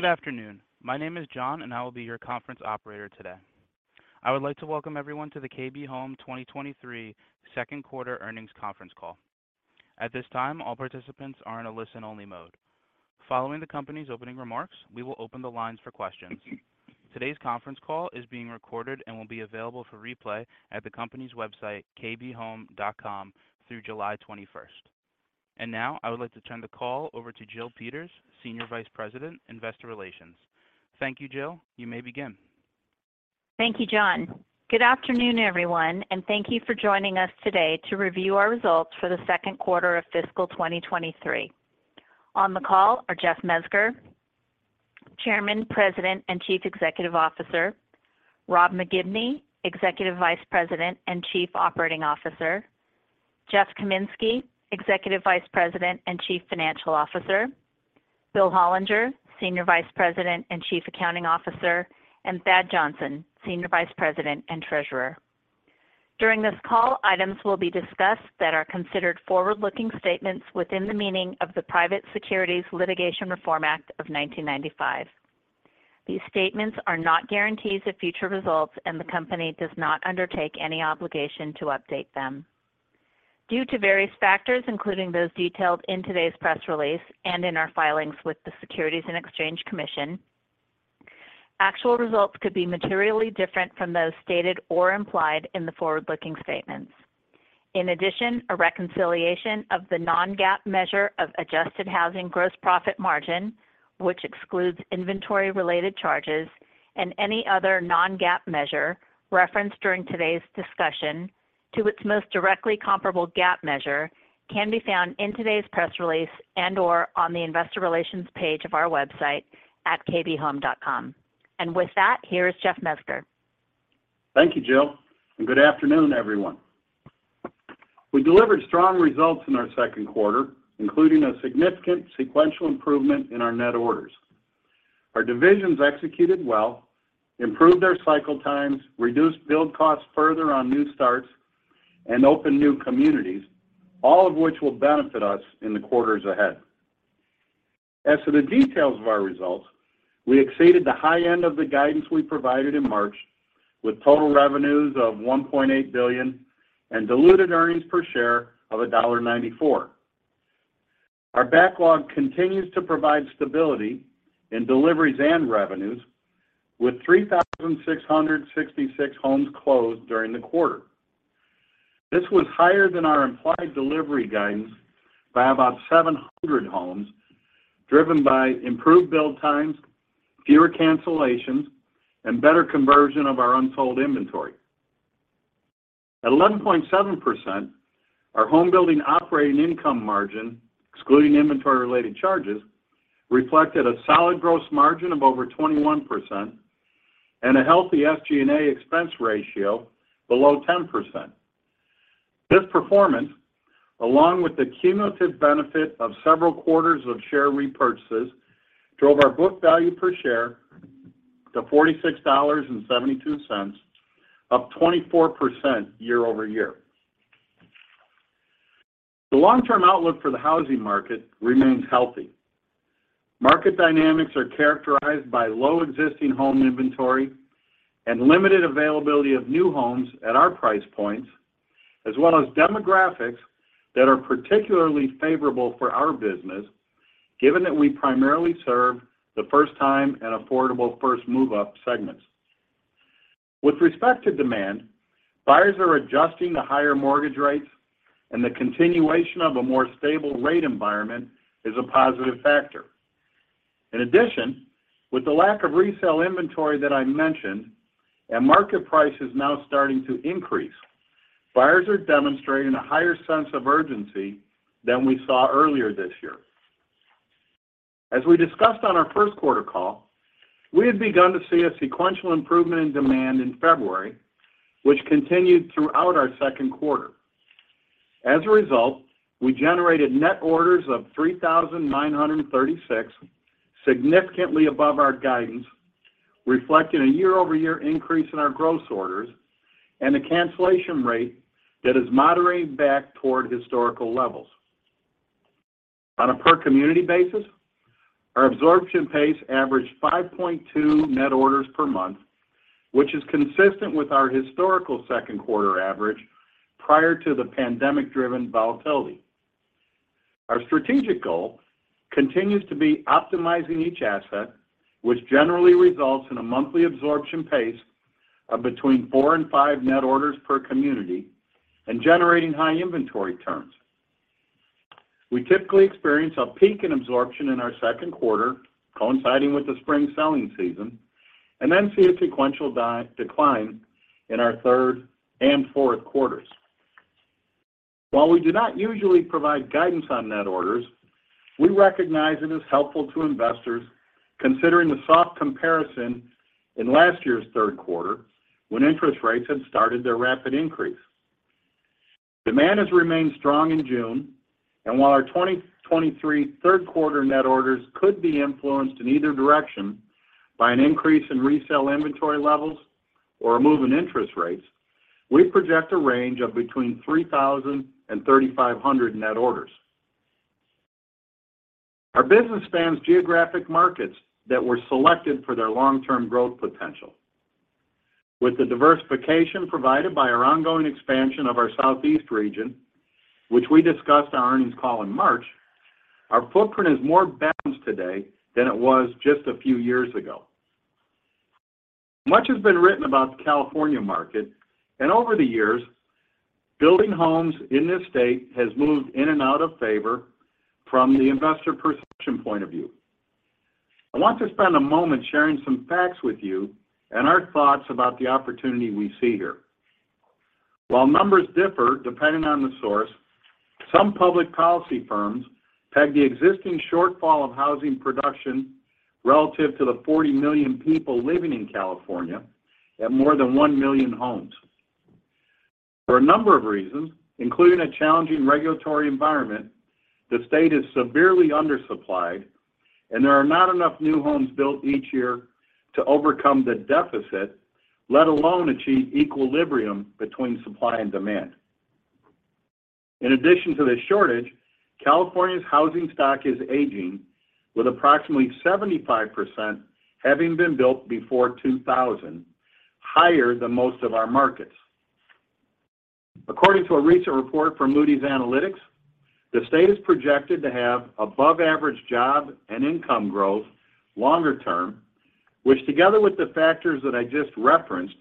Good afternoon. My name is John, I will be your conference operator today. I would like to welcome everyone to the KB Home 2023 Second Quarter Earnings Conference Call. At this time, all participants are in a listen-only mode. Following the company's opening remarks, we will open the lines for questions. Today's conference call is being recorded and will be available for replay at the company's website, kbhome.com, through July 21st. Now, I would like to turn the call over to Jill Peters, Senior Vice President, Investor Relations. Thank you, Jill. You may begin. Thank you, John. Good afternoon, everyone, and thank you for joining us today to review our results for the second quarter of fiscal 2023. On the call are Jeff Mezger, Chairman, President, and Chief Executive Officer, Rob McGibney, Executive Vice President and Chief Operating Officer, Jeff Kaminski, Executive Vice President and Chief Financial Officer, Bill Hollinger, Senior Vice President and Chief Accounting Officer, and Thad Johnson, Senior Vice President and Treasurer. During this call, items will be discussed that are considered forward-looking statements within the meaning of the Private Securities Litigation Reform Act of 1995. These statements are not guarantees of future results, and the company does not undertake any obligation to update them. Due to various factors, including those detailed in today's press release and in our filings with the Securities and Exchange Commission, actual results could be materially different from those stated or implied in the forward-looking statements. In addition, a reconciliation of the non-GAAP measure of adjusted housing gross profit margin, which excludes inventory-related charges and any other non-GAAP measure referenced during today's discussion to its most directly comparable GAAP measure, can be found in today's press release and/or on the Investor Relations page of our website at kbhome.com. With that, here is Jeff Mezger. Thank you, Jill, and good afternoon, everyone. We delivered strong results in our second quarter, including a significant sequential improvement in our net orders. Our divisions executed well, improved their cycle times, reduced build costs further on new starts, and opened new communities, all of which will benefit us in the quarters ahead. As to the details of our results, we exceeded the high end of the guidance we provided in March, with total revenues of $1.8 billion and diluted earnings per share of $1.94. Our backlog continues to provide stability in deliveries and revenues, with 3,666 homes closed during the quarter. This was higher than our implied delivery guidance by about 700 homes, driven by improved build times, fewer cancellations, and better conversion of our unsold inventory. At 11.7%, our homebuilding operating income margin, excluding inventory-related charges, reflected a solid gross margin of over 21% and a healthy SG&A expense ratio below 10%. This performance, along with the cumulative benefit of several quarters of share repurchases, drove our book value per share to $46.72, up 24% YoY. The long-term outlook for the housing market remains healthy. Market dynamics are characterized by low existing home inventory and limited availability of new homes at our price points, as well as demographics that are particularly favorable for our business, given that we primarily serve the first-time and affordable first-move-up segments. With respect to demand, buyers are adjusting to higher mortgage rates, and the continuation of a more stable rate environment is a positive factor. In addition, with the lack of resale inventory that I mentioned and market prices now starting to increase, buyers are demonstrating a higher sense of urgency than we saw earlier this year. As we discussed on our first quarter call, we had begun to see a sequential improvement in demand in February, which continued throughout our second quarter. As a result, we generated net orders of 3,936, significantly above our guidance, reflecting a YoY increase in our gross orders and a cancellation rate that is moderating back toward historical levels. On a per-community basis, our absorption pace averaged 5.2 net orders per month, which is consistent with our historical second quarter average prior to the pandemic-driven volatility. Our strategic goal continues to be optimizing each asset, which generally results in a monthly absorption pace of between four and five net orders per community and generating high inventory turns. We typically experience a peak in absorption in our second quarter, coinciding with the spring selling season, and then see a sequential decline in our third and fourth quarters. While we do not usually provide guidance on net orders, we recognize it is helpful to investors considering the soft comparison in last year's third quarter when interest rates had started their rapid increase. Demand has remained strong in June, and while our 2023 third quarter net orders could be influenced in either direction by an increase in resale inventory levels or a move in interest rates, we project a range of between 3,000 and 3,500 net orders. Our business spans geographic markets that were selected for their long-term growth potential. With the diversification provided by our ongoing expansion of our Southeast region, which we discussed on our earnings call in March, our footprint is more balanced today than it was just a few years ago. Much has been written about the California market, and over the years, building homes in this state has moved in and out of favor from the investor perception point of view. I want to spend a moment sharing some facts with you and our thoughts about the opportunity we see here. While numbers differ depending on the source, some public policy firms peg the existing shortfall of housing production relative to the 40 million people living in California at more than 1 million homes. For a number of reasons, including a challenging regulatory environment, the state is severely undersupplied, and there are not enough new homes built each year to overcome the deficit, let alone achieve equilibrium between supply and demand. In addition to the shortage, California's housing stock is aging, with approximately 75% having been built before 2000, higher than most of our markets. According to a recent report from Moody's Analytics, the state is projected to have above-average job and income growth longer term, which, together with the factors that I just referenced,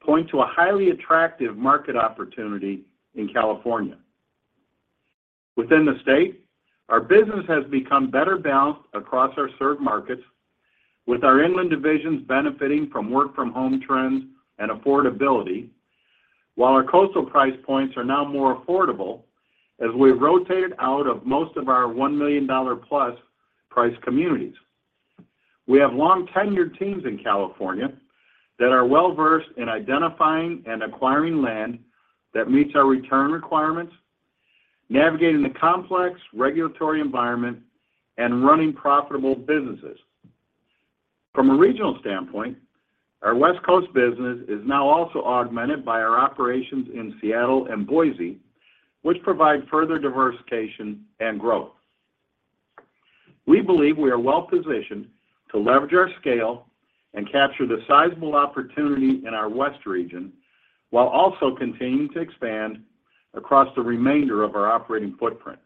point to a highly attractive market opportunity in California. Within the state, our business has become better balanced across our served markets, with our inland divisions benefiting from work-from-home trends and affordability, while our coastal price points are now more affordable as we've rotated out of most of our $1 million+ price communities. We have long-tenured teams in California that are well-versed in identifying and acquiring land that meets our return requirements, navigating the complex regulatory environment, and running profitable businesses. From a regional standpoint, our West Coast business is now also augmented by our operations in Seattle and Boise, which provide further diversification and growth. We believe we are well positioned to leverage our scale and capture the sizable opportunity in our West region, while also continuing to expand across the remainder of our operating footprint.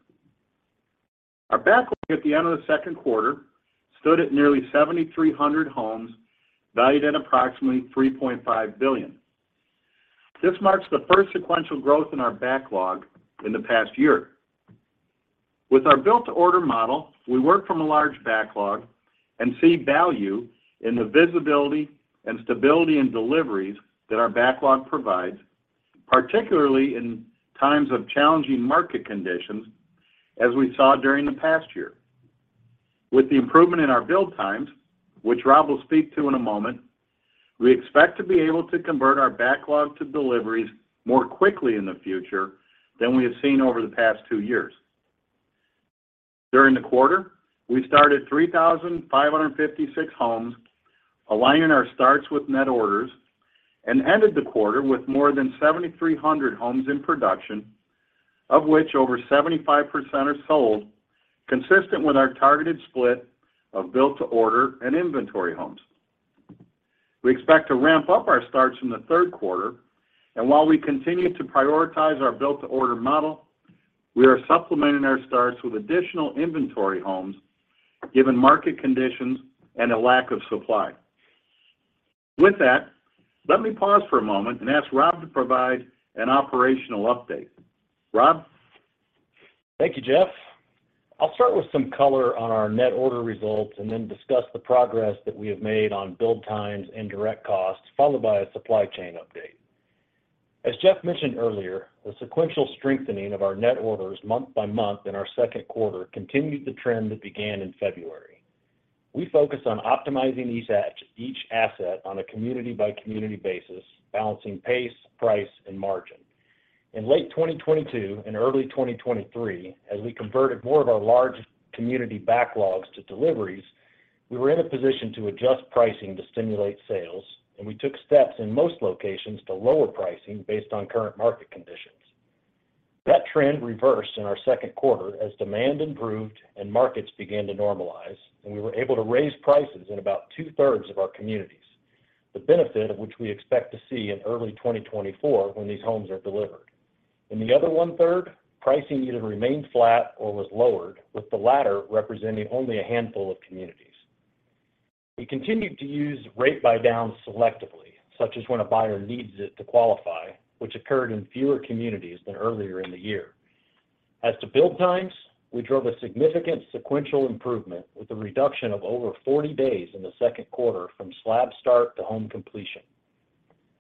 Our backlog at the end of the second quarter stood at nearly 7,300 homes, valued at approximately $3.5 billion. This marks the first sequential growth in our backlog in the past year. With our Built to Order model, we work from a large backlog and see value in the visibility and stability in deliveries that our backlog provides, particularly in times of challenging market conditions, as we saw during the past year. With the improvement in our build times, which Rob will speak to in a moment, we expect to be able to convert our backlog to deliveries more quickly in the future than we have seen over the past two years. During the quarter, we started 3,556 homes, aligning our starts with net orders, and ended the quarter with more than 7,300 homes in production, of which over 75% are sold, consistent with our targeted split of Build to Order and inventory homes. We expect to ramp up our starts in the third quarter. While we continue to prioritize our Build to Order model, we are supplementing our starts with additional inventory homes, given market conditions and a lack of supply. With that, let me pause for a moment and ask Rob to provide an operational update. Rob? Thank you, Jeff. I'll start with some color on our net order results and then discuss the progress that we have made on build times and direct costs, followed by a supply chain update. As Jeff mentioned earlier, the sequential strengthening of our net orders month by month in our second quarter continued the trend that began in February. We focus on optimizing each asset on a community-by-community basis, balancing pace, price, and margin. In late 2022 and early 2023, as we converted more of our large community backlogs to deliveries, we were in a position to adjust pricing to stimulate sales, and we took steps in most locations to lower pricing based on current market conditions. That trend reversed in our second quarter as demand improved and markets began to normalize. We were able to raise prices in about two-thirds of our communities, the benefit of which we expect to see in early 2024 when these homes are delivered. In the other one-third, pricing either remained flat or was lowered, with the latter representing only a handful of communities. We continued to use rate buy-downs selectively, such as when a buyer needs it to qualify, which occurred in fewer communities than earlier in the year. As to build times, we drove a significant sequential improvement with a reduction of over 40 days in the second quarter from slab start to home completion.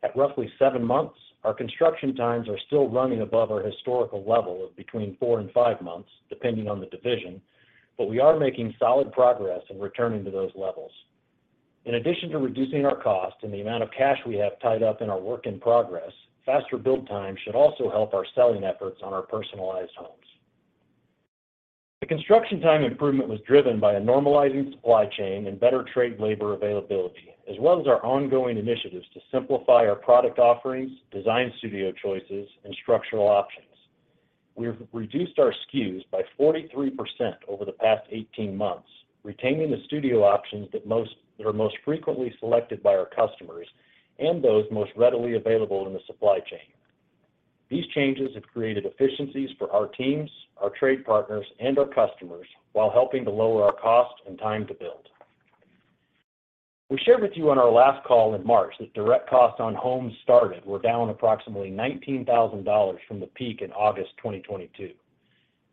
At roughly seven months, our construction times are still running above our historical level of between four and five months, depending on the division. We are making solid progress in returning to those levels. In addition to reducing our cost and the amount of cash we have tied up in our work in progress, faster build times should also help our selling efforts on our personalized homes. The construction time improvement was driven by a normalizing supply chain and better trade labor availability, as well as our ongoing initiatives to simplify our product offerings, design studio choices, and structural options. We have reduced our SKUs by 43% over the past 18 months, retaining the studio options that are most frequently selected by our customers and those most readily available in the supply chain. These changes have created efficiencies for our teams, our trade partners, and our customers while helping to lower our cost and time to build. We shared with you on our last call in March, that direct costs on homes started were down approximately $19,000 from the peak in August 2022.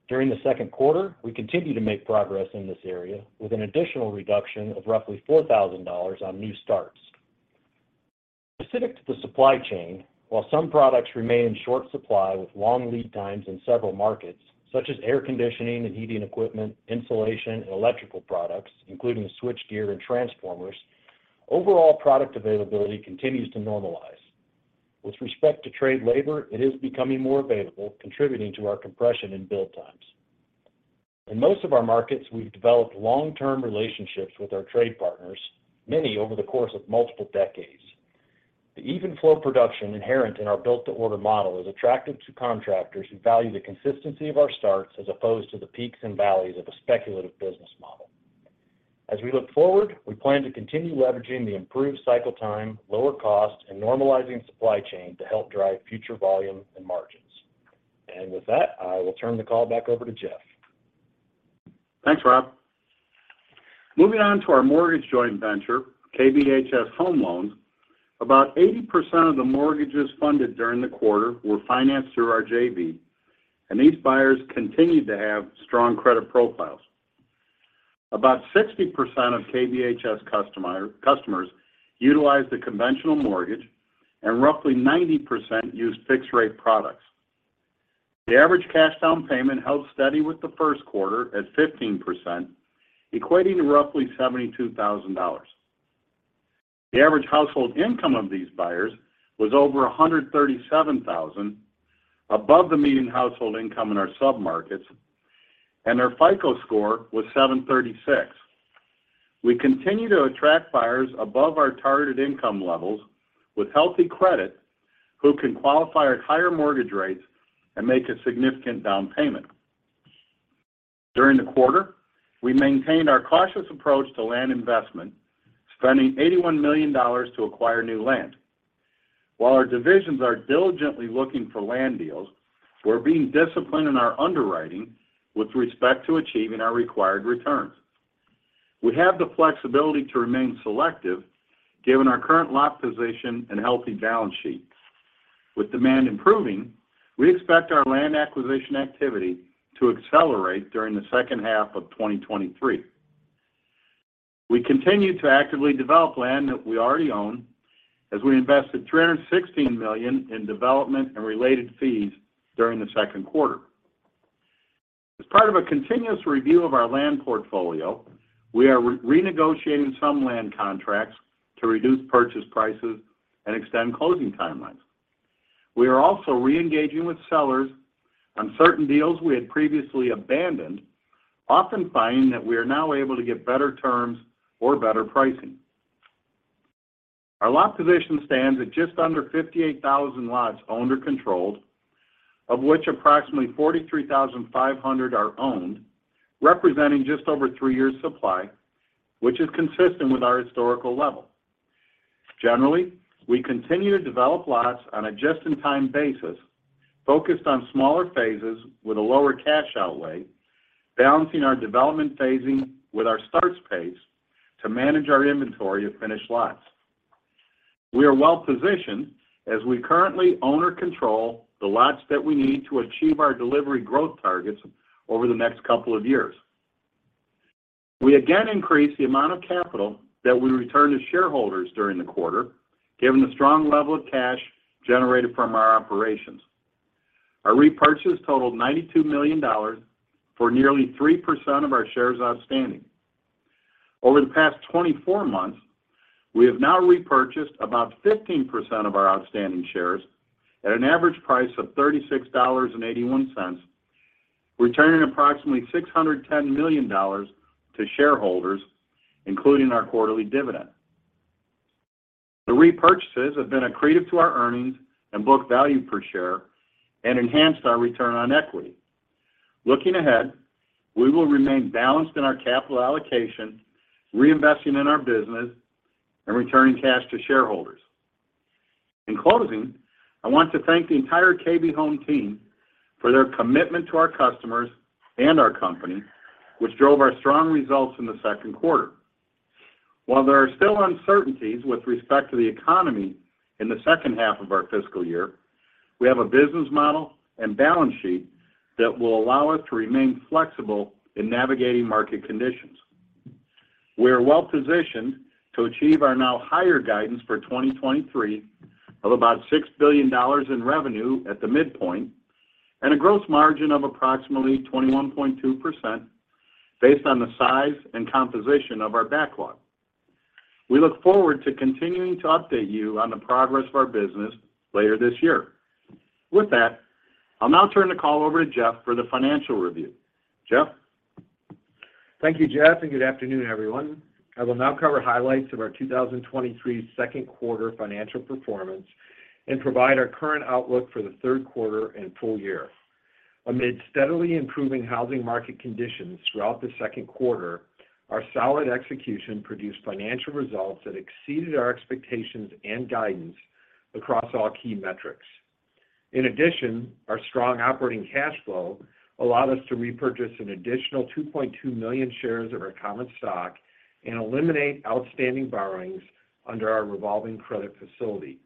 During the second quarter, we continued to make progress in this area with an additional reduction of roughly $4,000 on new starts. Specific to the supply chain, while some products remain in short supply with long lead times in several markets, such as air conditioning and heating equipment, insulation, and electrical products, including the switchgear and transformers, overall product availability continues to normalize. With respect to trade labor, it is becoming more available, contributing to our compression in build times. In most of our markets, we've developed long-term relationships with our trade partners, many over the course of multiple decades. The even flow of production inherent in our Built to Order model is attractive to contractors who value the consistency of our starts as opposed to the peaks and valleys of a speculative business model. As we look forward, we plan to continue leveraging the improved cycle time, lower cost, and normalizing supply chain to help drive future volume and margins. With that, I will turn the call back over to Jeff. Thanks, Rob. Moving on to our mortgage joint venture, KBHS Home Loans. About 80% of the mortgages funded during the quarter were financed through our JV, and these buyers continued to have strong credit profiles. About 60% of KBHS customers utilized a conventional mortgage, and roughly 90% used fixed-rate products. The average cash down payment held steady with the first quarter at 15%, equating to roughly $72,000. The average household income of these buyers was over $137,000, above the median household income in our submarkets, and their FICO score was 736. We continue to attract buyers above our targeted income levels with healthy credit, who can qualify at higher mortgage rates and make a significant down payment. During the quarter, we maintained our cautious approach to land investment, spending $81 million to acquire new land. While our divisions are diligently looking for land deals, we're being disciplined in our underwriting with respect to achieving our required returns. We have the flexibility to remain selective, given our current lot position and healthy balance sheet. With demand improving, we expect our land acquisition activity to accelerate during the second half of 2023. We continue to actively develop land that we already own, as we invested $316 million in development and related fees during the second quarter. As part of a continuous review of our land portfolio, we are renegotiating some land contracts to reduce purchase prices and extend closing timelines. We are also reengaging with sellers on certain deals we had previously abandoned, often finding that we are now able to get better terms or better pricing. Our lot position stands at just under 58,000 lots owned or controlled, of which approximately 43,500 are owned, representing just over three years supply, which is consistent with our historical level. Generally, we continue to develop lots on a just-in-time basis, focused on smaller phases with a lower cash outlay, balancing our development phasing with our starts pace to manage our inventory of finished lots. We are well positioned as we currently own or control the lots that we need to achieve our delivery growth targets over the next couple of years. We again increased the amount of capital that we returned to shareholders during the quarter, given the strong level of cash generated from our operations. Our repurchases totaled $92 million, for nearly 3% of our shares outstanding. Over the past 24 months, we have now repurchased about 15% of our outstanding shares at an average price of $36.81, returning approximately $610 million to shareholders, including our quarterly dividend. The repurchases have been accretive to our earnings and book value per share and enhanced our return on equity. Looking ahead, we will remain balanced in our capital allocation, reinvesting in our business, and returning cash to shareholders. In closing, I want to thank the entire KB Home team for their commitment to our customers and our company, which drove our strong results in the second quarter. While there are still uncertainties with respect to the economy in the second half of our fiscal year, we have a business model and balance sheet that will allow us to remain flexible in navigating market conditions. We are well positioned to achieve our now higher guidance for 2023 of about $6 billion in revenue at the midpoint, and a gross margin of approximately 21.2% based on the size and composition of our backlog. We look forward to continuing to update you on the progress of our business later this year. With that, I'll now turn the call over to Jeff for the financial review. Jeff? Thank you, Jeff, and good afternoon, everyone. I will now cover highlights of our 2023 Second Quarter Financial Performance and provide our current outlook for the third quarter and full year. Amid steadily improving housing market conditions throughout the second quarter, our solid execution produced financial results that exceeded our expectations and guidance across all key metrics. In addition, our strong operating cash flow allowed us to repurchase an additional 2.2 million shares of our common stock and eliminate outstanding borrowings under our revolving credit facility.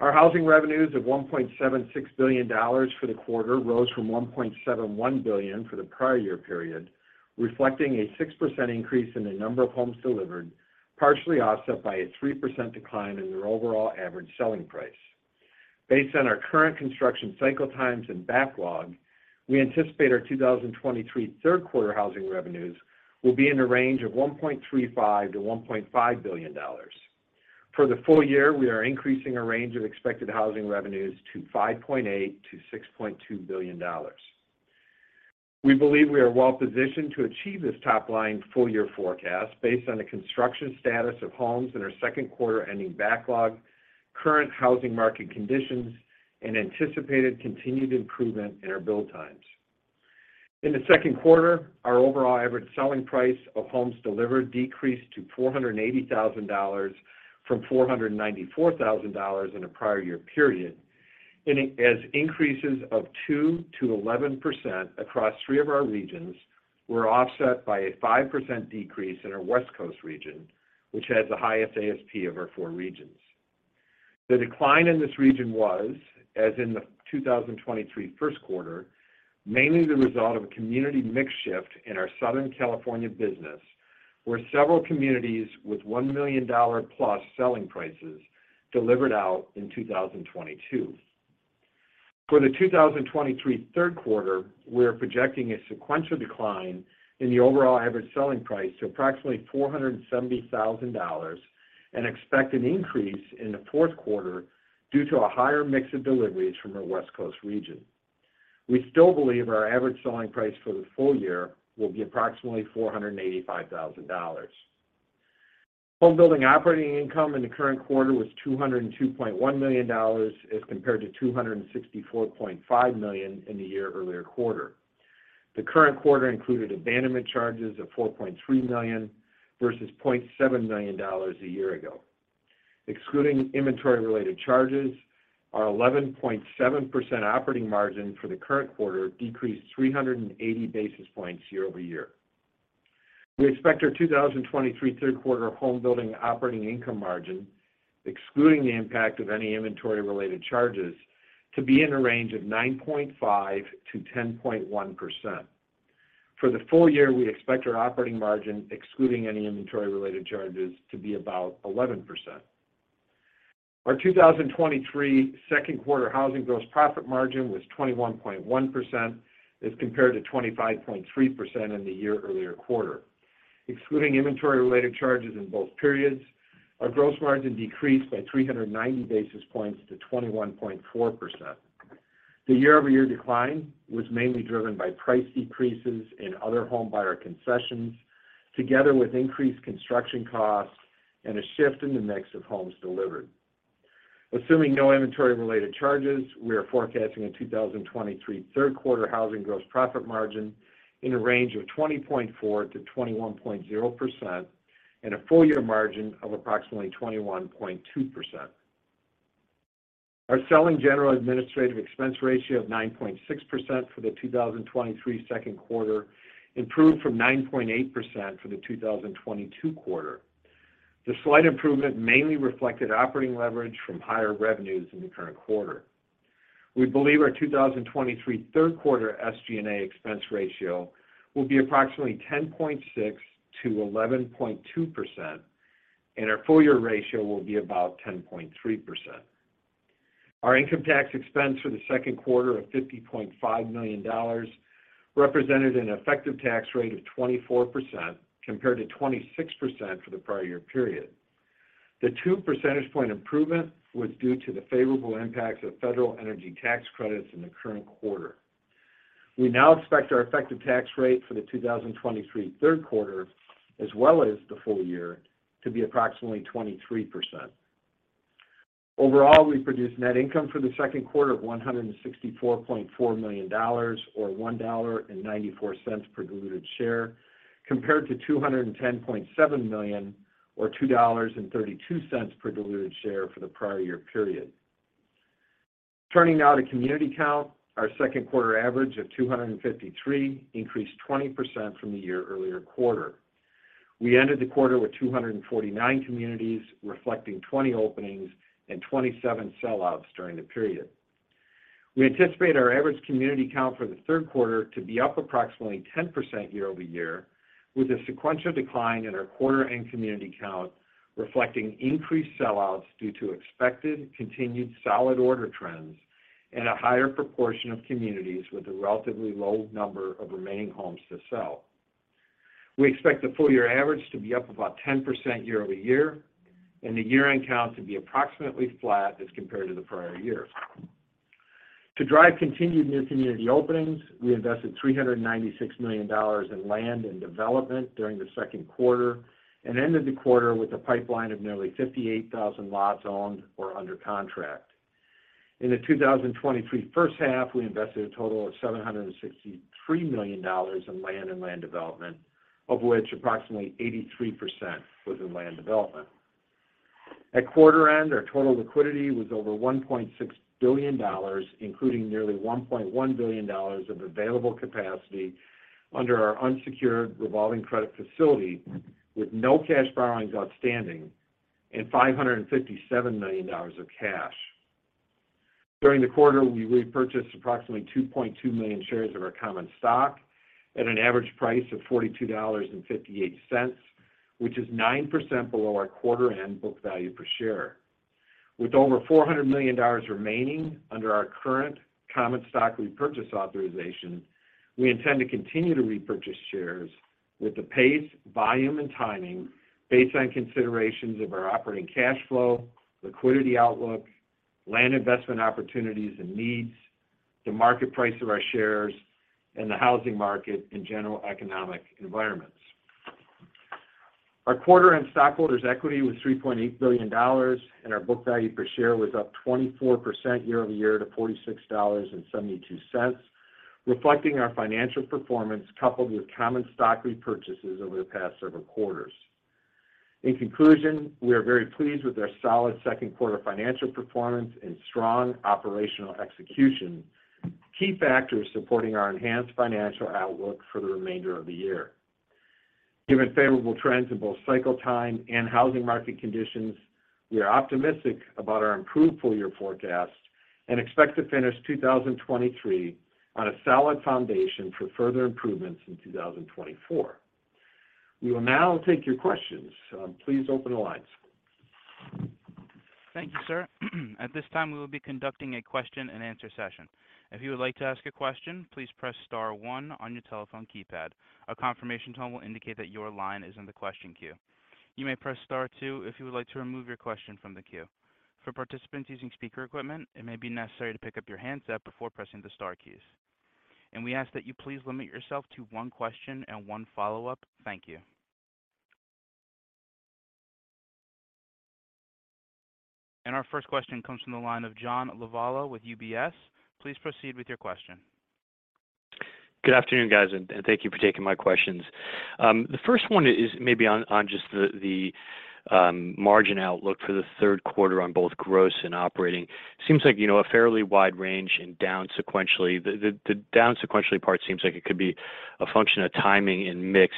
Our housing revenues of $1.76 billion for the quarter rose from $1.71 billion for the prior year period, reflecting a 6% increase in the number of homes delivered, partially offset by a 3% decline in their overall average selling price. Based on our current construction cycle times and backlog, we anticipate our 2023 third quarter housing revenues will be in the range of $1.35 billion-$1.5 billion. For the full year, we are increasing our range of expected housing revenues to $5.8 billion-$6.2 billion. We believe we are well positioned to achieve this top-line full-year forecast based on the construction status of homes in our second quarter-ending backlog, current housing market conditions, and anticipated continued improvement in our build times. In the second quarter, our overall average selling price of homes delivered decreased to $480,000 from $494,000 in the prior year period, and as increases of 2%-11% across three of our regions were offset by a 5% decrease in our West Coast region, which has the highest ASP of our four regions. The decline in this region was, as in the 2023 first quarter, mainly the result of a community mix shift in our Southern California business, where several communities with $1 million+ selling prices delivered out in 2022. For the 2023 third quarter, we are projecting a sequential decline in the overall average selling price to approximately $470,000 and expect an increase in the fourth quarter due to a higher mix of deliveries from our West Coast region. We still believe our average selling price for the full year will be approximately $485,000. Homebuilding operating income in the current quarter was $202.1 million, as compared to $264.5 million in the year-earlier quarter. The current quarter included abandonment charges of $4.3 million versus $0.7 million a year ago. Excluding inventory-related charges, our 11.7% operating margin for the current quarter decreased 380 basis points YoY. We expect our 2023 third quarter homebuilding operating income margin, excluding the impact of any inventory-related charges, to be in a range of 9.5%-10.1%. For the full year, we expect our operating margin, excluding any inventory-related charges, to be about 11%. Our 2023 second quarter housing gross profit margin was 21.1%, as compared to 25.3% in the year-earlier quarter. Excluding inventory-related charges in both periods, our gross margin decreased by 390 basis points to 21.4%. The YoY decline was mainly driven by price decreases in other home buyer concessions, together with increased construction costs and a shift in the mix of homes delivered. Assuming no inventory-related charges, we are forecasting a 2023 third quarter housing gross profit margin in a range of 20.4%-21.0% and a full-year margin of approximately 21.2%. Our selling, general, administrative expense ratio of 9.6% for the 2023 second quarter improved from 9.8% for the 2022 quarter. The slight improvement mainly reflected operating leverage from higher revenues in the current quarter. We believe our 2023 third quarter SG&A expense ratio will be approximately 10.6%-11.2%, and our full-year ratio will be about 10.3%. Our income tax expense for the second quarter of $50.5 million represented an effective tax rate of 24%, compared to 26% for the prior year period. The 2 percentage point improvement was due to the favorable impacts of federal energy tax credits in the current quarter. We now expect our effective tax rate for the 2023 third quarter, as well as the full year, to be approximately 23%. Overall, we produced net income for the second quarter of $164.4 million or $1.94 per diluted share, compared to $210.7 million or $2.32 per diluted share for the prior year period. Turning now to community count, our second quarter average of 253 increased 20% from the year-earlier quarter. We ended the quarter with 249 communities, reflecting 20 openings and 27 sellouts during the period. We anticipate our average community count for the third quarter to be up approximately 10% YoY, with a sequential decline in our quarter-end community count, reflecting increased sellouts due to expected continued solid order trends and a higher proportion of communities with a relatively low number of remaining homes to sell. We expect the full year average to be up about 10% YoY, and the year-end count to be approximately flat as compared to the prior year. To drive continued new community openings, we invested $396 million in land and development during the second quarter and ended the quarter with a pipeline of nearly 58,000 lots owned or under contract. In the 2023 first half, we invested a total of $763 million in land and land development, of which approximately 83% was in land development. At quarter end, our total liquidity was over $1.6 billion, including nearly $1.1 billion of available capacity under our unsecured revolving credit facility, with no cash borrowings outstanding and $557 million of cash. During the quarter, we repurchased approximately 2.2 million shares of our common stock at an average price of $42.58, which is 9% below our quarter end book value per share. With over $400 million remaining under our current common stock repurchase authorization, we intend to continue to repurchase shares with the pace, volume, and timing based on considerations of our operating cash flow, liquidity outlook, land investment opportunities and needs, the market price of our shares, and the housing market in general economic environments. Our quarter and stockholders' equity was $3.8 billion, and our book value per share was up 24% YoY to $46.72, reflecting our financial performance coupled with common stock repurchases over the past several quarters. In conclusion, we are very pleased with our solid second quarter financial performance and strong operational execution, key factors supporting our enhanced financial outlook for the remainder of the year. Given favorable trends in both cycle time and housing market conditions, we are optimistic about our improved full year forecast and expect to finish 2023 on a solid foundation for further improvements in 2024. We will now take your questions. Please open the lines. Thank you, sir. At this time, we will be conducting a question-and-answer session. If you would like to ask a question, please press star one on your telephone keypad. A confirmation tone will indicate that your line is in the question queue. You may press star two if you would like to remove your question from the queue. For participants using speaker equipment, it may be necessary to pick up your handset before pressing the star keys. We ask that you please limit yourself to one question and one follow-up. Thank you. Our first question comes from the line of John Lovallo with UBS. Please proceed with your question. Good afternoon, guys, and thank you for taking my questions. The first one is maybe on just the margin outlook for the third quarter on both gross and operating. Seems like, you know, a fairly wide range and down sequentially. The down sequentially part seems like it could be a function of timing and mix.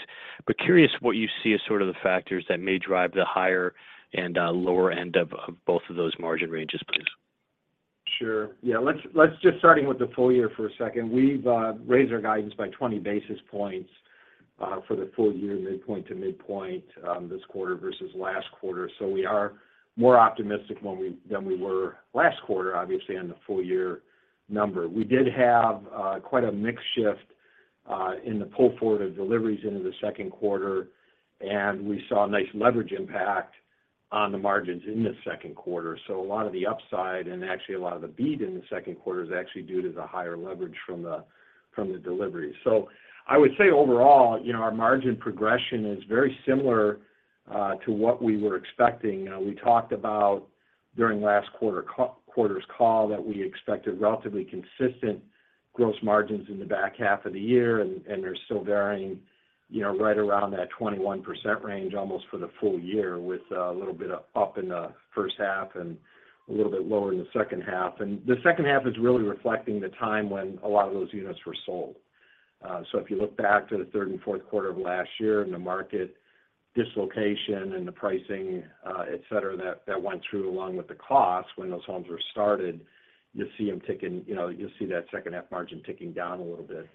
Curious what you see as sort of the factors that may drive the higher and lower end of both of those margin ranges, please? Sure. Yeah, let's just starting with the full year for a second. We've raised our guidance by 20 basis points for the full year, midpoint to midpoint, this quarter versus last quarter. We are more optimistic than we were last quarter, obviously on the full year number. We did have quite a mix shift in the pull forward of deliveries into the second quarter, and we saw a nice leverage impact on the margins in the second quarter. A lot of the upside, and actually a lot of the beat in the second quarter is actually due to the higher leverage from the, from the delivery. I would say overall, you know, our margin progression is very similar to what we were expecting. We talked about during last quarter's call that we expected relatively consistent gross margins in the back half of the year, and they're still varying, you know, right around that 21% range, almost for the full year, with a little bit of up in the first half and a little bit lower in the second half. The second half is really reflecting the time when a lot of those units were sold. If you look back to the third and fourth quarter of last year and the market dislocation and the pricing, et cetera, that went through, along with the costs when those homes were started, you'll see them ticking. You know, you'll see that second-half margin ticking down a little bit.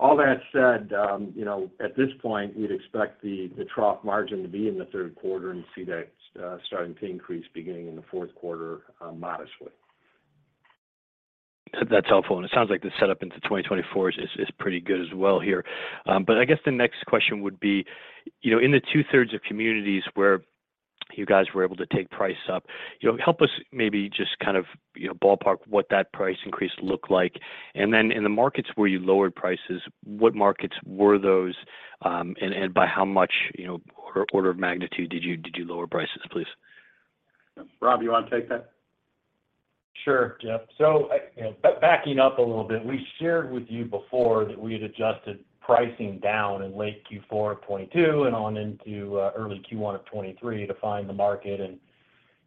All that said, you know, at this point, we'd expect the trough margin to be in the third quarter and see that starting to increase beginning in the fourth quarter modestly. That's helpful. It sounds like the setup into 2024 is pretty good as well here. I guess the next question would be, you know, in the two-thirds of communities where you guys were able to take price up, you know, help us maybe just kind of, you know, ballpark what that price increase looked like. In the markets where you lowered prices, what markets were those? By how much, you know, or order of magnitude did you lower prices, please? Rob, you want to take that? Sure, Jeff. you know, backing up a little bit, we shared with you before that we had adjusted pricing down in late Q4 of 2022 and on into early Q1 of 2023 to find the market and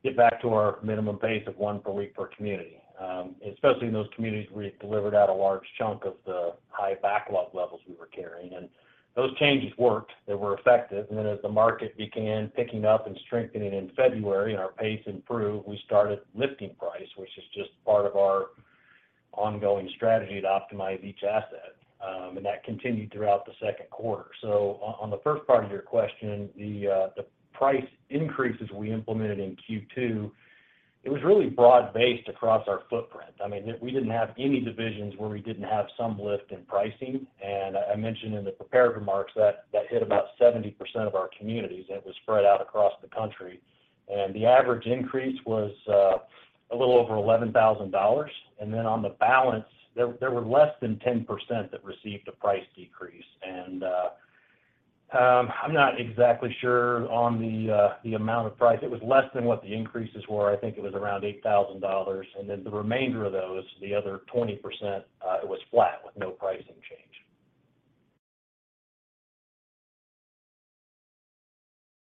get back to our minimum pace of one per week per community. Especially in those communities where we had delivered out a large chunk of the high backlog levels we were carrying. Those changes worked. They were effective. Then as the market began picking up and strengthening in February and our pace improved, we started lifting price, which is just part of our... ongoing strategy to optimize each asset, and that continued throughout the second quarter. On the first part of your question, the price increases we implemented in Q2, it was really broad-based across our footprint. I mean, we didn't have any divisions where we didn't have some lift in pricing. I mentioned in the prepared remarks that that hit about 70% of our communities, and it was spread out across the country. The average increase was a little over $11,000. Then on the balance, there were less than 10% that received a price decrease. I'm not exactly sure on the amount of price. It was less than what the increases were. I think it was around $8,000, and then the remainder of those, the other 20%, it was flat with no pricing change.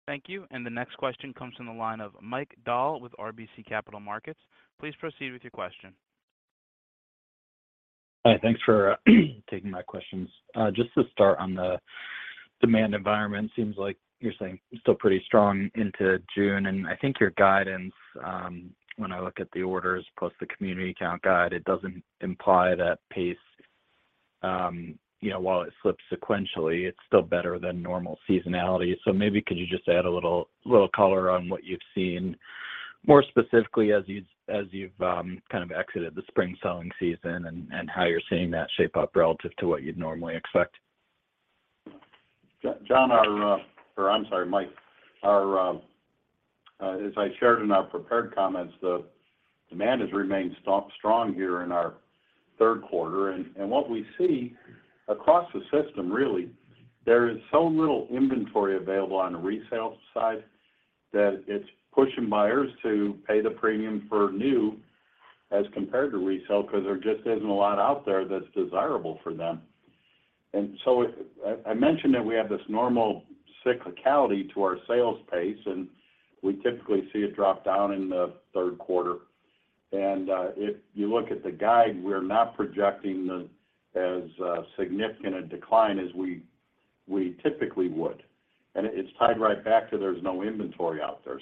Thank you. The next question comes from the line of Mike Dahl with RBC Capital Markets. Please proceed with your question. Hi, thanks for taking my questions. Just to start on the demand environment, seems like you're saying still pretty strong into June, and I think your guidance, when I look at the orders plus the community count guide, it doesn't imply that pace, you know, while it slips sequentially, it's still better than normal seasonality. Maybe could you just add a little color on what you've seen, more specifically, as you've kind of exited the spring selling season and how you're seeing that shape up relative to what you'd normally expect? John, our, or I'm sorry, Mike, our, as I shared in our prepared comments, the demand has remained strong here in our third quarter. What we see across the system, really, there is so little inventory available on the resale side, that it's pushing buyers to pay the premium for new as compared to resale, because there just isn't a lot out there that's desirable for them. I mentioned that we have this normal cyclicality to our sales pace, and we typically see a drop down in the third quarter. If you look at the guide, we're not projecting as significant a decline as we typically would. It's tied right back to there's no inventory out there.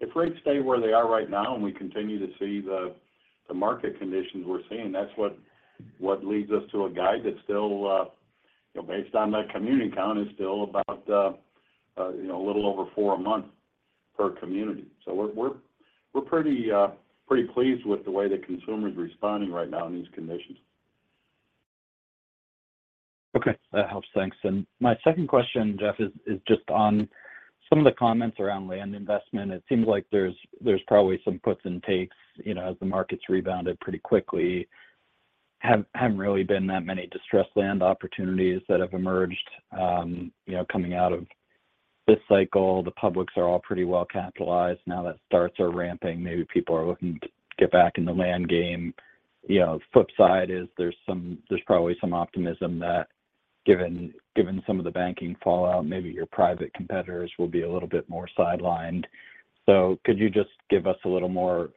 If rates stay where they are right now and we continue to see the market conditions we're seeing, that's what leads us to a guide that's still, you know, based on that community count, is still about, you know, a little over four a month per community. We're pretty pleased with the way the consumer is responding right now in these conditions. Okay, that helps. Thanks. My second question, Jeff, is just on some of the comments around land investment. It seems like there's probably some puts and takes, you know, as the market's rebounded pretty quickly. Haven't really been that many distressed land opportunities that have emerged, you know, coming out of this cycle. The publics are all pretty well capitalized now that starts are ramping, maybe people are looking to get back in the land game. You know, flip side is there's probably some optimism that given some of the banking fallout, maybe your private competitors will be a little bit more sidelined. Could you just give us a little more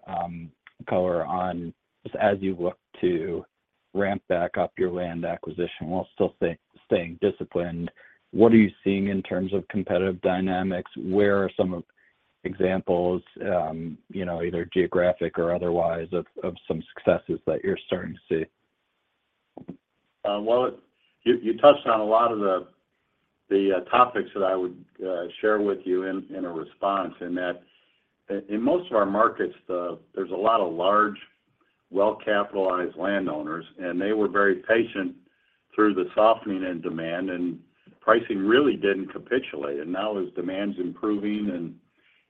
color on, as you look to ramp back up your land acquisition while still staying disciplined, what are you seeing in terms of competitive dynamics? Where are some of examples, you know, either geographic or otherwise, of some successes that you're starting to see? Well, you touched on a lot of the topics that I would share with you in a response, in that in most of our markets, there's a lot of large, well-capitalized landowners, and they were very patient through the softening in demand, and pricing really didn't capitulate. Now, as demand's improving and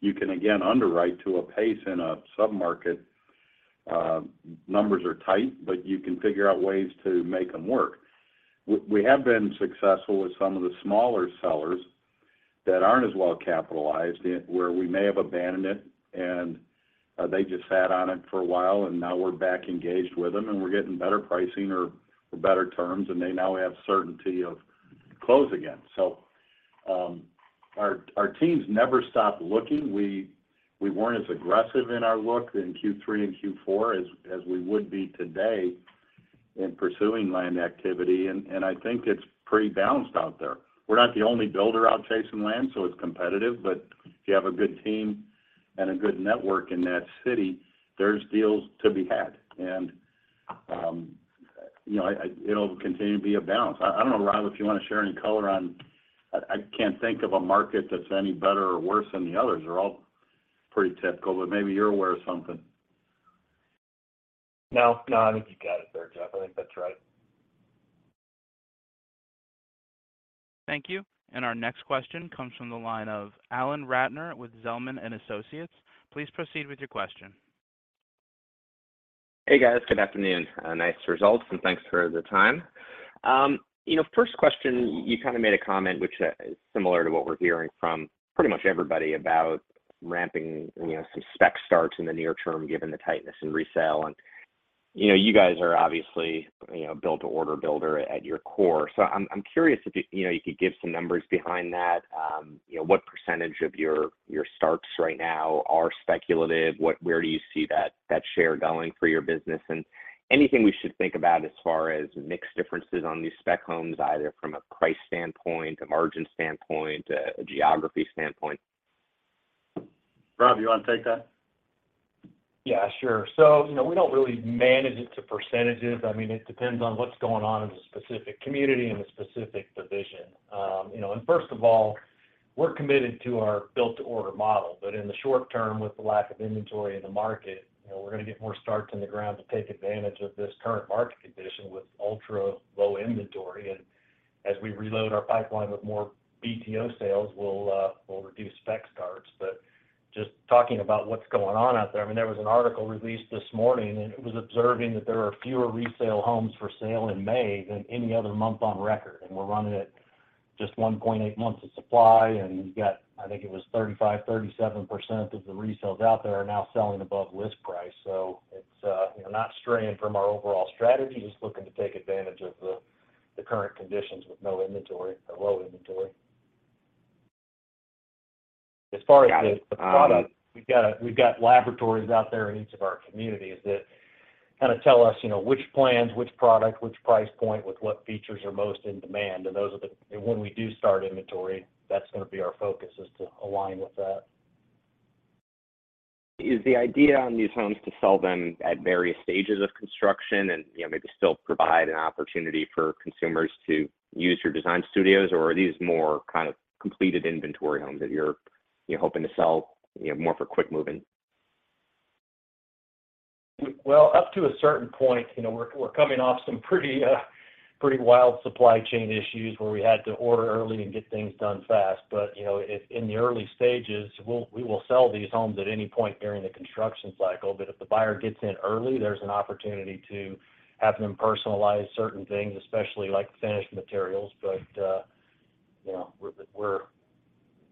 you can again underwrite to a pace in a submarket, numbers are tight, but you can figure out ways to make them work. We have been successful with some of the smaller sellers that aren't as well capitalized, where we may have abandoned it, and they just sat on it for a while, and now we're back engaged with them, and we're getting better pricing or better terms, and they now have certainty of close again. Our teams never stopped looking. We weren't as aggressive in our look in Q3 and Q4 as we would be today in pursuing land activity. I think it's pretty balanced out there. We're not the only builder out chasing land, so it's competitive, but if you have a good team and a good network in that city, there's deals to be had. You know, I, it'll continue to be a balance. I don't know, Rob, if you want to share any color on. I can't think of a market that's any better or worse than the others. They're all pretty typical, but maybe you're aware of something. I think you got it there, Jeff. I think that's right. Thank you. Our next question comes from the line of Alan Ratner with Zelman & Associates. Please proceed with your question. Hey, guys. Good afternoon. Nice results, and thanks for the time. You know, first question, you kind of made a comment which is similar to what we're hearing from pretty much everybody about ramping, you know, some spec starts in the near term, given the tightness in resale. You know, you guys are obviously, you know, a Build to Order builder at your core. I'm curious if you know, you could give some numbers behind that. You know, what percentage of your starts right now are speculative? Where do you see that share going for your business? Anything we should think about as far as mix differences on these spec homes, either from a price standpoint, a margin standpoint, a geography standpoint? Rob, you want to take that? Yeah, sure. You know, we don't really manage it to percentages. I mean, it depends on what's going on in the specific community and the specific division. You know, first of all, we're committed to our Built to Order model, but in the short term, with the lack of inventory in the market, you know, we're going to get more starts in the ground to take advantage of this current market condition with ultra-low inventory. As we reload our pipeline with more BTO sales, we'll reduce spec starts. Just talking about what's going on out there, I mean, there was an article released this morning, and it was observing that there are fewer resale homes for sale in May than any other month on record, and we're running at just 1.8 months of supply, and you've got... I think it was 35%-37% of the resales out there are now selling above list price. It's, you know, not straying from our overall strategy, just looking to take advantage of the current conditions with no inventory or low inventory. Got it. As far as the product, we've got laboratories out there in each of our communities that kind of tell us, you know, which plans, which product, which price point, with what features are most in demand. When we do start inventory, that's going to be our focus, is to align with that. Is the idea on these homes to sell them at various stages of construction and, you know, maybe still provide an opportunity for consumers to use your design studios? Or are these more kind of completed inventory homes that you're hoping to sell, you know, more for quick moving? Well, up to a certain point, you know, we're coming off some pretty wild supply chain issues where we had to order early and get things done fast. You know, if in the early stages, we will sell these homes at any point during the construction cycle. If the buyer gets in early, there's an opportunity to have them personalize certain things, especially like finished materials. You know,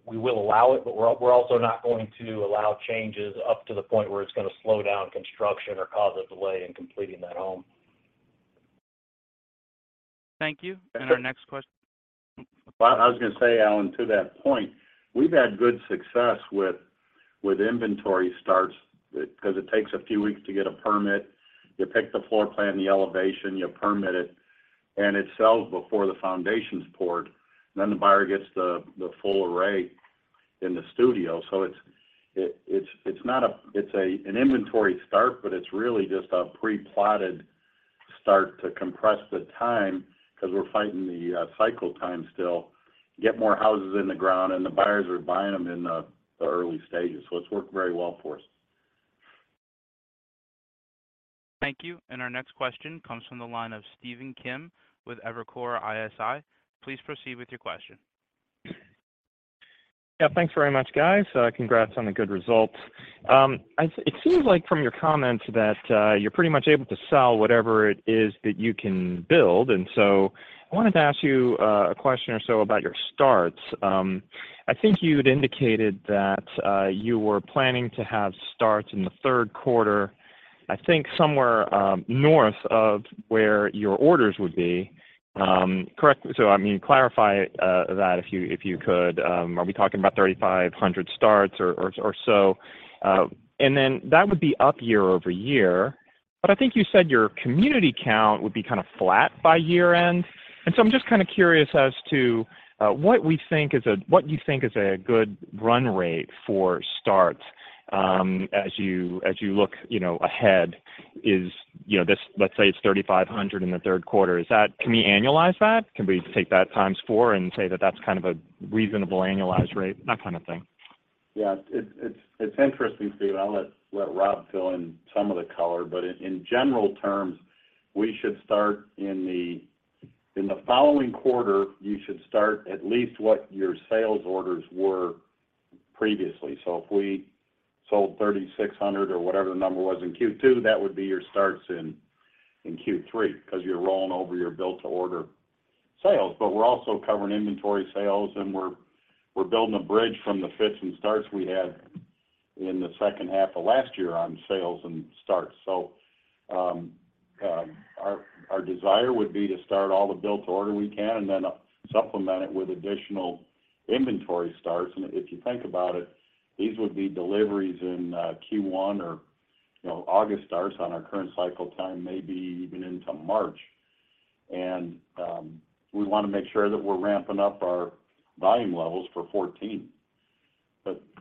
we will allow it, but we're also not going to allow changes up to the point where it's going to slow down construction or cause a delay in completing that home. Thank you. Our next question. I was going to say, Alan, to that point, we've had good success with inventory starts because it takes a few weeks to get a permit. You pick the floor plan, the elevation, you permit it, and it sells before the foundation's poured. The buyer gets the full array in the studio. It's a, an inventory start, but it's really just a pre-plotted start to compress the time because we're fighting the cycle time still, get more houses in the ground, and the buyers are buying them in the early stages. It's worked very well for us. Thank you. Our next question comes from the line of Stephen Kim with Evercore ISI. Please proceed with your question. Yeah, thanks very much, guys. Congrats on the good results. It seems like from your comments that you're pretty much able to sell whatever it is that you can build. I wanted to ask you a question or so about your starts. I think you'd indicated that you were planning to have starts in the third quarter, I think somewhere north of where your orders would be. I mean, clarify that if you could, are we talking about 3,500 starts or so? That would be up YoY. I think you said your community count would be kind of flat by year-end. I'm just kind of curious as to what you think is a good run rate for starts, as you, as you look, you know, ahead is, you know, let's say it's 3,500 in the third quarter. Is that? Can we annualize that? Can we take that times four and say that that's kind of a reasonable annualized rate? That kind of thing. Yeah. It's interesting, Stephen. I'll let Rob fill in some of the color, but in general terms, we should start in the following quarter, you should start at least what your sales orders were previously. If we sold 3,600 or whatever the number was in Q2, that would be your starts in Q3, because you're rolling over your Built to Order sales. We're also covering inventory sales, and we're building a bridge from the fits and starts we had in the second half of last year on sales and starts. Our desire would be to start all the Built to Order we can and then supplement it with additional inventory starts. If you think about it, these would be deliveries in Q1 or, you know, August starts on our current cycle time, maybe even into March. We want to make sure that we're ramping up our volume levels for 2024.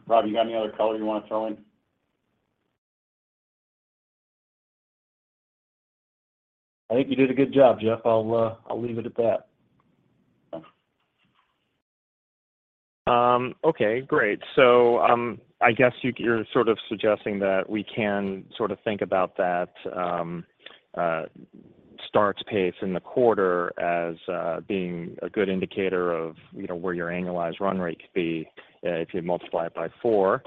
Rob, you got any other color you want to throw in? I think you did a good job, Jeff. I'll leave it at that. Okay, great. I guess you're sort of suggesting that we can sort of think about that starts pace in the quarter as being a good indicator of, you know, where your annualized run rate could be, if you multiply it by four.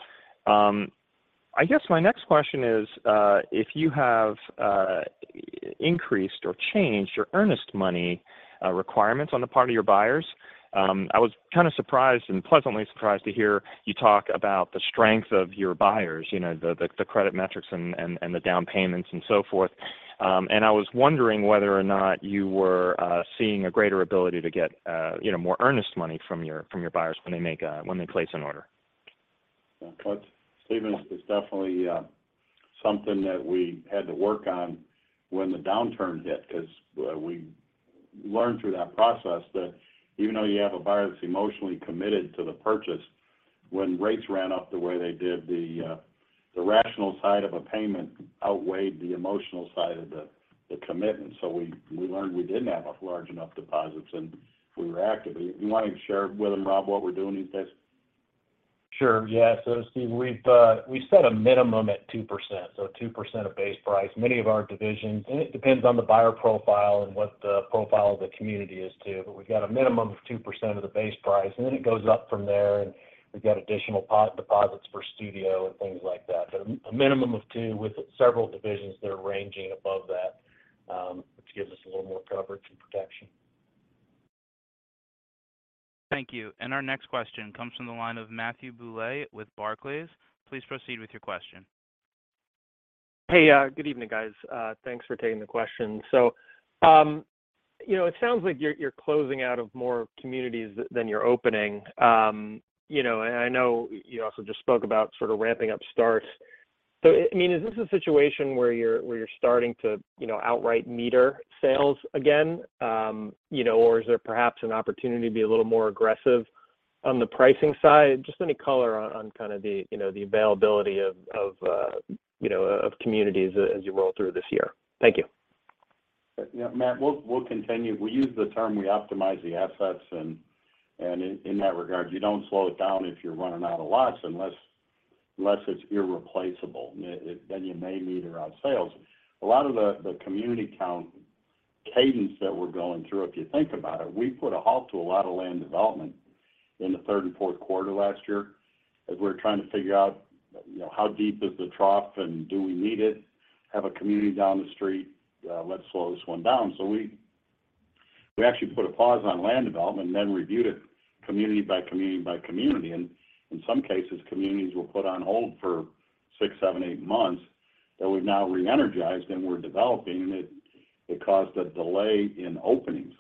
I guess my next question is, if you have increased or changed your earnest money requirements on the part of your buyers, I was kind of surprised and pleasantly surprised to hear you talk about the strength of your buyers, you know, the credit metrics and the down payments and so forth. I was wondering whether or not you were seeing a greater ability to get, you know, more earnest money from your, from your buyers when they place an order. Well, Stephen, it's definitely something that we had to work on when the downturn hit, because we learned through that process, that even though you have a buyer that's emotionally committed to the purchase, when rates ran up the way they did, the rational side of a payment outweighed the emotional side of the commitment. We learned we didn't have enough large enough deposits, and we were active. Do you want to share with them, Rob, what we're doing these days? Sure. Yeah. Stephen, we've set a minimum at 2%, so 2% of base price. Many of our divisions, and it depends on the buyer profile and what the profile of the community is, too, but we've got a minimum of 2% of the base price, and then it goes up from there, and we've got additional deposits for studio and things like that. A minimum of 2%, with several divisions that are ranging above that, which gives us a little more coverage and protection. Thank you. Our next question comes from the line of Matthew Bouley with Barclays. Please proceed with your question. Hey, good evening, guys. Thanks for taking the question. You know, it sounds like you're closing out of more communities than you're opening. You know, I know you also just spoke about sort of ramping up starts. I mean, is this a situation where you're starting to, you know, outright meter sales again? You know, is there perhaps an opportunity to be a little more aggressive on the pricing side? Just any color on kind of the, you know, the availability of, you know, of communities as you roll through this year? Thank you. Yeah, Matt, we'll continue. We use the term, we optimize the assets, and in that regard, you don't slow it down if you're running out of lots, unless it's irreplaceable, then you may meter out sales. A lot of the community count cadence that we're going through, if you think about it, we put a halt to a lot of land development in the third and fourth quarter last year, as we're trying to figure out, you know, how deep is the trough, and do we need it? Have a community down the street, let's slow this one down. We actually put a pause on land development and then reviewed it community by community by community. In some cases, communities were put on hold for six, seven, eight months, that we've now reenergized and we're developing, and it caused a delay in openings.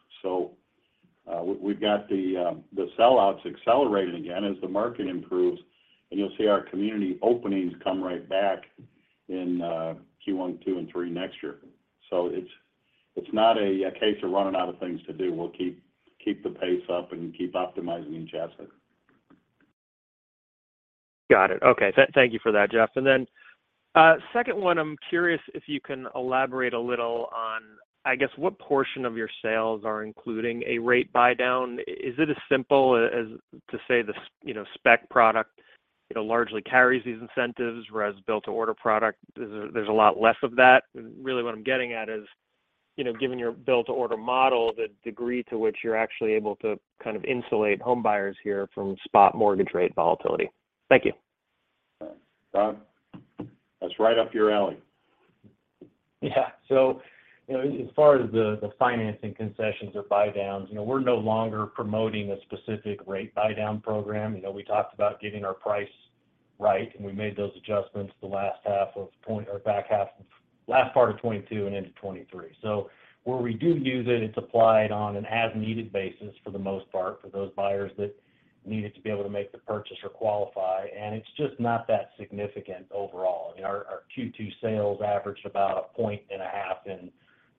We've got the sellouts accelerating again as the market improves, and you'll see our community openings come right back in Q1, Q2, and Q3 next year. It's not a case of running out of things to do. We'll keep the pace up and keep optimizing and adjusting. Got it. Okay. Thank you for that, Jeff. Second one, I'm curious if you can elaborate a little on, I guess, what portion of your sales are including a rate buydown? Is it as simple as to say the you know, spec product, you know, largely carries these incentives, whereas Built to Order product, there's a lot less of that? What I'm getting at is, you know, given your Built to Order model, the degree to which you're actually able to kind of insulate homebuyers here from spot mortgage rate volatility. Thank you. Rob, that's right up your alley. You know, as far as the financing concessions or buydowns, you know, we're no longer promoting a specific rate buydown program. We talked about getting our price right, and we made those adjustments the last half of point or last part of 2022 and into 2023. Where we do use it's applied on an as-needed basis for the most part, for those buyers that needed to be able to make the purchase or qualify, and it's just not that significant overall. I mean, our Q2 sales averaged about a point and a half in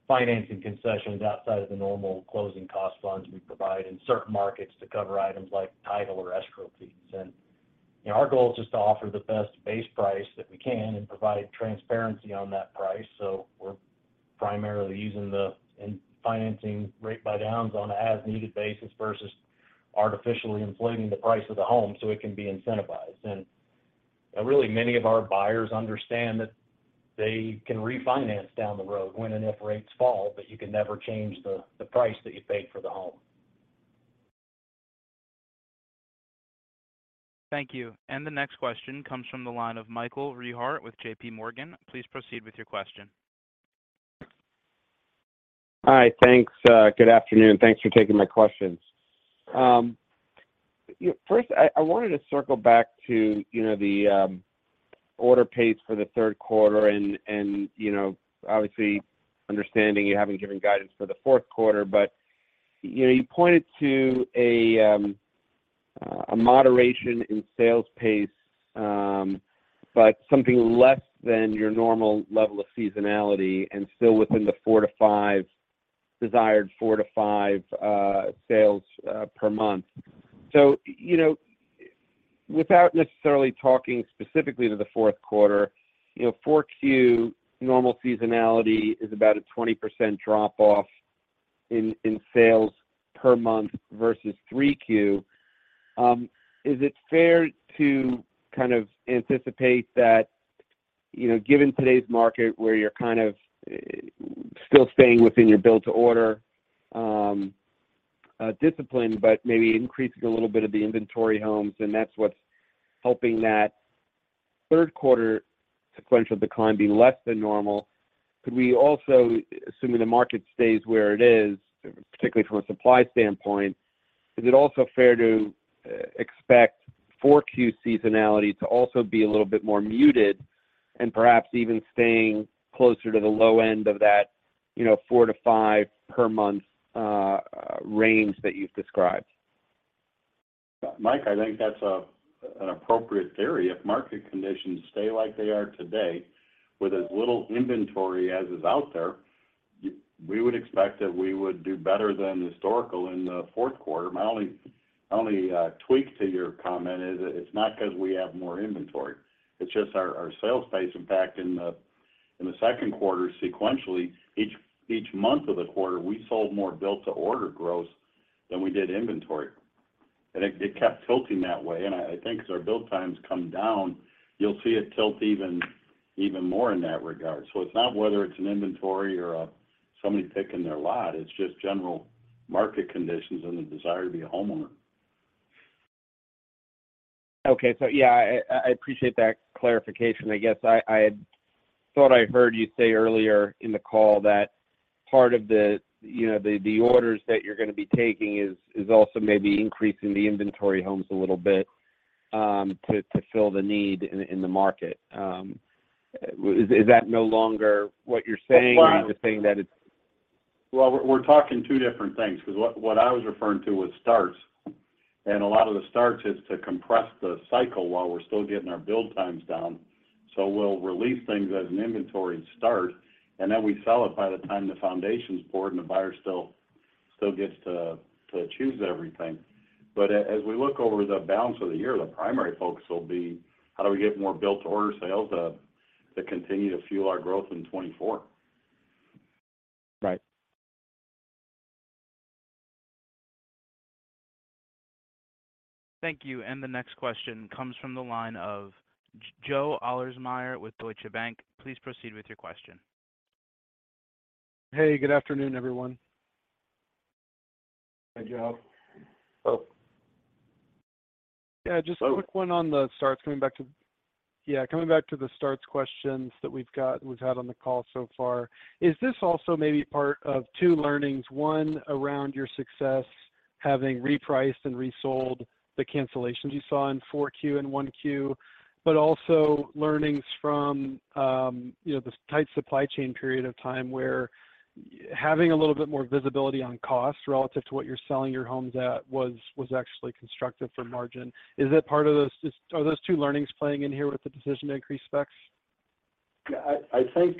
financing concessions outside of the normal closing cost funds we provide in certain markets to cover items like title or escrow fees. You know, our goal is just to offer the best base price that we can and provide transparency on that price. We're primarily using financing rate buydowns on an as-needed basis versus artificially inflating the price of the home so it can be incentivized. Really, many of our buyers understand that they can refinance down the road when and if rates fall, but you can never change the price that you paid for the home. Thank you. The next question comes from the line of Michael Rehaut with JPMorgan. Please proceed with your question. Hi, thanks. Good afternoon. Thanks for taking my questions. First, I wanted to circle back to, you know, the order pace for the third quarter and, you know, obviously, understanding you haven't given guidance for the fourth quarter, but, you know, you pointed to a moderation in sales pace, but something less than your normal level of seasonality and still within the desired four to five sales per month. You know, without necessarily talking specifically to the fourth quarter, you know, 4Q, normal seasonality is about a 20% drop-off in sales per month versus 3Q. Is it fair to kind of anticipate that, you know, given today's market, where you're kind of still staying within your Build to Order discipline, but maybe increasing a little bit of the inventory homes, and that's what's helping that third quarter sequential decline being less than normal, could we also, assuming the market stays where it is, particularly from a supply standpoint, is it also fair to expect 4Q seasonality to also be a little bit more muted and perhaps even staying closer to the low end of that, you know, four to five per month range that you've described? Mike, I think that's an appropriate theory. If market conditions stay like they are today, with as little inventory as is out there, we would expect that we would do better than historical in the fourth quarter. My only tweak to your comment is that it's not 'cause we have more inventory, it's just our sales pace. In fact, in the second quarter sequentially, each month of the quarter, we sold more Built to Order growth than we did inventory. It kept tilting that way, and I think as our build times come down, you'll see it tilt even more in that regard. It's not whether it's an inventory or somebody picking their lot, it's just general market conditions and the desire to be a homeowner. Okay. Yeah, I appreciate that clarification. I guess I had thought I heard you say earlier in the call that part of the, you know, the orders that you're going to be taking is also maybe increasing the inventory homes a little bit, to fill the need in the market. Is that no longer what you're saying? Well- are you just saying that it's? Well, we're talking two different things, 'cause what I was referring to was starts. A lot of the starts is to compress the cycle while we're still getting our build times down. We'll release things as an inventory start, and then we sell it by the time the foundation's poured, and the buyer still gets to choose everything. As we look over the balance of the year, the primary focus will be: how do we get more Built to Order sales to continue to fuel our growth in 2024? Right. Thank you. The next question comes from the line of Joe Ahlersmeyer with Deutsche Bank. Please proceed with your question. Hey, good afternoon, everyone. Hi, Joe. Hello. Yeah, just a quick one on the starts. Yeah, coming back to the starts questions that we've had on the call so far. Is this also maybe part of two learnings, one, around your success, having repriced and resold the cancellations you saw in 4Q and 1Q, but also learnings from, you know, the tight supply chain period of time, where having a little bit more visibility on cost relative to what you're selling your homes at, was actually constructive for margin? Is that part of this, are those two learnings playing in here with the decision to increase specs? Yeah, I think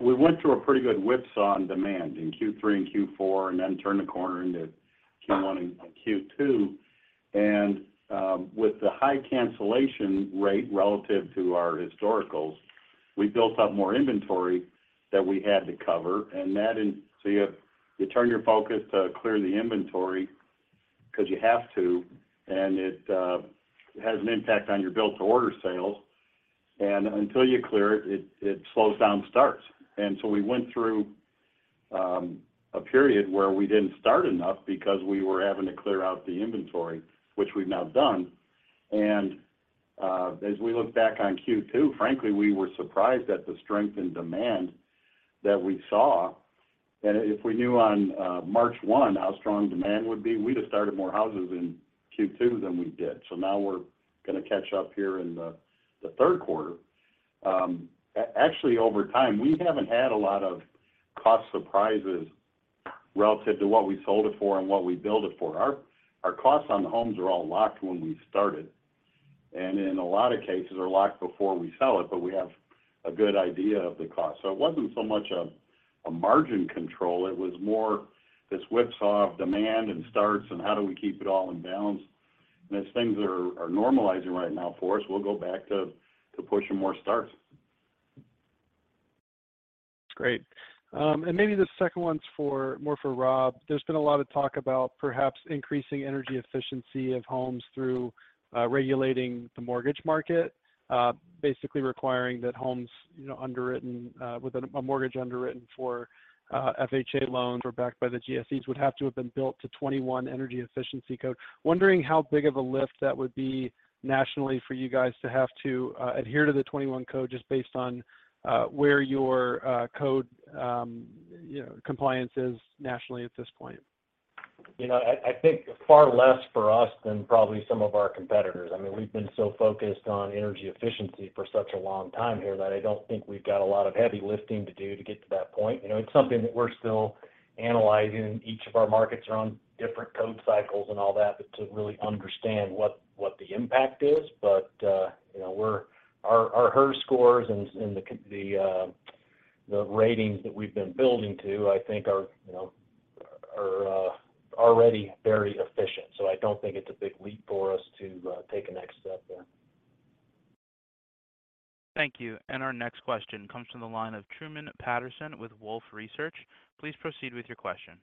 we went through a pretty good whipsaw on demand in Q3 and Q4, then turned the corner into Q1 and Q2. With the high cancellation rate relative to our historicals, we built up more inventory that we had to cover, so you turn your focus to clear the inventory, 'cause you have to, and it has an impact on your Built to Order sales. Until you clear it slows down starts. So we went through a period where we didn't start enough because we were having to clear out the inventory, which we've now done. As we look back on Q2, frankly, we were surprised at the strength and demand that we saw. If we knew on March 1 how strong demand would be, we'd have started more houses in Q2 than we did. Now we're going to catch up here in the third quarter. Actually, over time, we haven't had a lot of cost surprises relative to what we sold it for and what we build it for. Our costs on the homes are all locked when we started, and in a lot of cases, are locked before we sell it, but we have a good idea of the cost. It wasn't so much a margin control, it was more this whipsaw of demand and starts, and how do we keep it all in balance? As things are normalizing right now for us, we'll go back to pushing more starts. Great. Maybe the second one's for, more for Rob. There's been a lot of talk about perhaps increasing energy efficiency of homes through regulating the mortgage market. Basically requiring that homes, you know, underwritten with a mortgage underwritten for FHA loans or backed by the GSEs, would have to have been built to 21 energy efficiency code. Wondering how big of a lift that would be nationally for you guys to have to adhere to the 21 code, just based on where your code, you know, compliance is nationally at this point? You know, I think far less for us than probably some of our competitors. I mean, we've been so focused on energy efficiency for such a long time here, that I don't think we've got a lot of heavy lifting to do to get to that point. You know, it's something that we're still analyzing. Each of our markets are on different code cycles and all that, but to really understand what the impact is. You know, our HERS scores and the ratings that we've been building to, I think are, you know, are already very efficient. I don't think it's a big leap for us to take a next step there. Thank you. Our next question comes from the line of Truman Patterson with Wolfe Research. Please proceed with your question.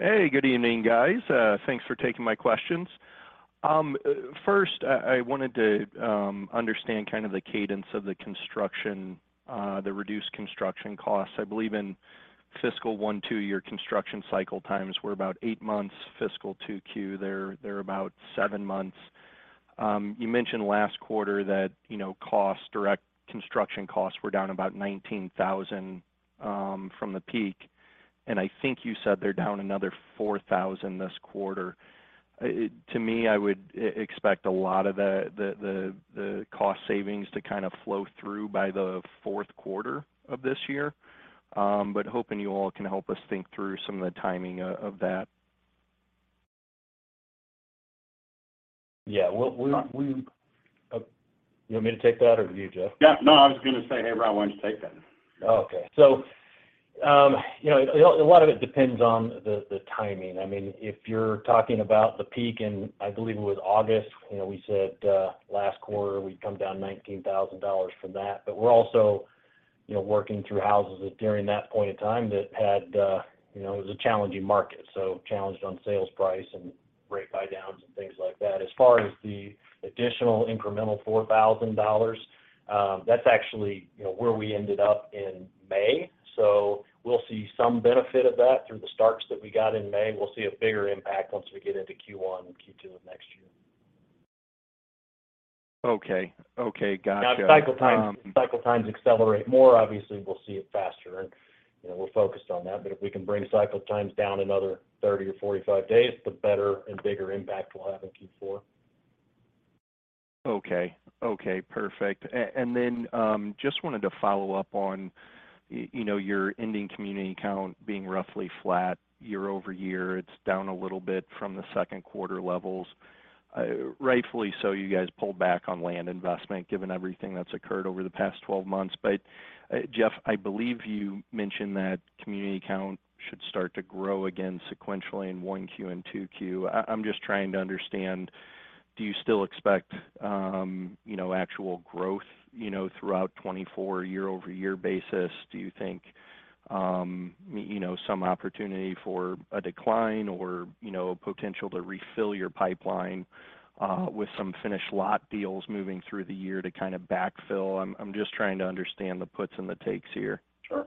Hey, good evening, guys. Thanks for taking my questions. First, I wanted to understand kind of the cadence of the construction, the reduced construction costs. I believe in fiscal one, two, your construction cycle times were about eight months. Fiscal 2Q, they're about seven months. You mentioned last quarter that, you know, costs, direct construction costs were down about $19,000 from the peak, and I think you said they're down another $4,000 this quarter. To me, I would expect a lot of the cost savings to kind of flow through by the fourth quarter of this year. Hoping you all can help us think through some of the timing of that. Yeah. Well, oh, you want me to take that or you, Jeff? Yeah, no, I was gonna say, hey, Rob, why don't you take that? Okay. You know, a lot of it depends on the timing. I mean, if you're talking about the peak in, I believe it was August, you know, we said last quarter, we'd come down $19,000 from that. We're also, you know, working through houses during that point in time that had, you know, it was a challenging market, so challenged on sales price and rate buy downs and things like that. As far as the additional incremental $4,000, that's actually, you know, where we ended up in May. We'll see some benefit of that through the starts that we got in May. We'll see a bigger impact once we get into Q1 and Q2 of next year. Okay. Okay, gotcha. If cycle times accelerate more, obviously, we'll see it faster, and, you know, we're focused on that. If we can bring cycle times down another 30 or 45 days, the better and bigger impact we'll have in Q4. Okay. Okay, perfect. Just wanted to follow up on, you know, your ending community count being roughly flat YoY. It's down a little bit from the second quarter levels. Rightfully so, you guys pulled back on land investment, given everything that's occurred over the past 12 months. Jeff, I believe you mentioned that community count should start to grow again sequentially in 1Q and 2Q. I'm just trying to understand, do you still expect, you know, actual growth, you know, throughout 2024, YoY basis? Do you think, you know, some opportunity for a decline or, you know, a potential to refill your pipeline with some finished lot deals moving through the year to kind of backfill? I'm just trying to understand the puts and the takes here. Sure.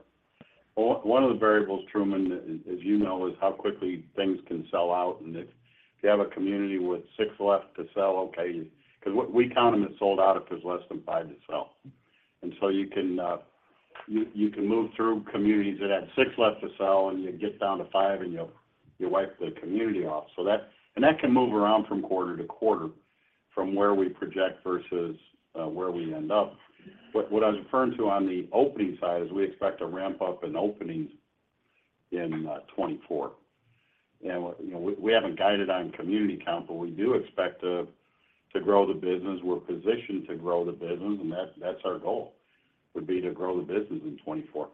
One of the variables, Truman, as you know, is how quickly things can sell out. If you have a community with six left to sell, okay, because We count them as sold out if there's less than five to sell. You can move through communities that had six left to sell, and you get down to five, and you wipe the community off. That can move around from quarter to quarter, from where we project versus where we end up. What I was referring to on the opening side is we expect to ramp up in openings in 2024. You know, we haven't guided on community count, but we do expect to grow the business. We're positioned to grow the business, and that's our goal, would be to grow the business in 2024.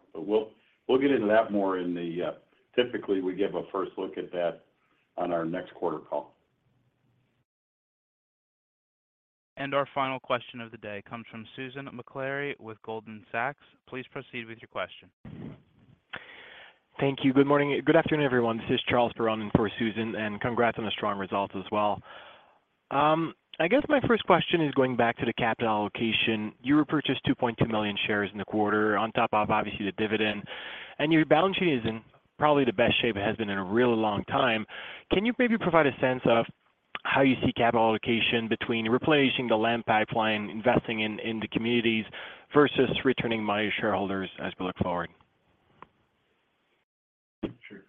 We'll get into that more in the. Typically, we give a first look at that on our next quarter call. Our final question of the day comes from Susan Maklari with Goldman Sachs. Please proceed with your question. Thank you. Good morning. Good afternoon, everyone. This is Charles Perron for Susan Maklari. Congrats on the strong results as well. I guess my first question is going back to the capital allocation. You repurchased 2.2 million shares in the quarter on top of, obviously, the dividend. Your balance sheet is in probably the best shape it has been in a really long time. Can you maybe provide a sense of how you see capital allocation between replacing the land pipeline, investing in the communities, versus returning money to shareholders as we look forward? Sure.